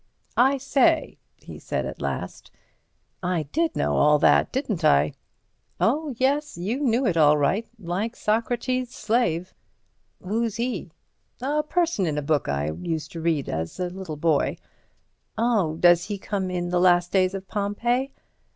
"I say," he said at last, "I did know all that, didn't I?" "Oh, yes—you knew it all right—like Socrates's slave." "Who's he?" "A person in a book I used to read as a boy." "Oh—does he come in 'The Last Days of Pompeii'?"